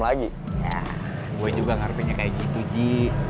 ya gue juga ngarepinnya kayak gitu ji